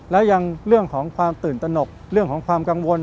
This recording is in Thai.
และยังเรื่องของความตื่นตนกเรื่องของความกังวล